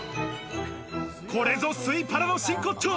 これぞスイパラの真骨頂。